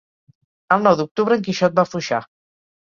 El nou d'octubre en Quixot va a Foixà.